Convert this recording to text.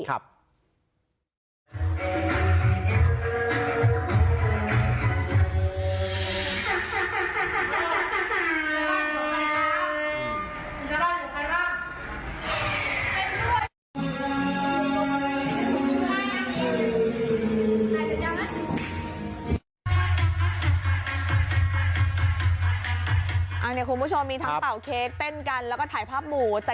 อันนี้คุณผู้ชมมีทั้งเป่าเค้กเต้นกันแล้วก็ถ่ายภาพหมู